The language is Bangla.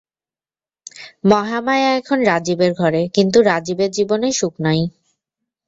মহামায়া এখন রাজীবের ঘরে, কিন্তু রাজীবের জীবনে সুখ নাই।